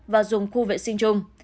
và dùng khu vệ sinh chung